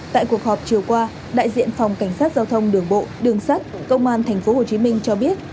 tại cuộc họp chiều qua đại diện phòng cảnh sát giao thông đường bộ đường sắt công an tp hcm cho biết